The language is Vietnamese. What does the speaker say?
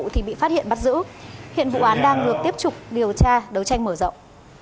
thì bị phát hiện bắt giữ hiện vụ án đang được tiếp tục điều tra đấu tranh mở rộng